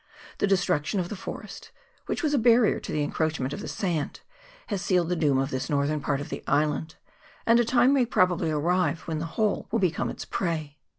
The destruction of the forest, which was a barrier to the encroach ment of the sand, has sealed the doom of this northern part of the island, and a time may pro bably arrive when the whole will become its prey.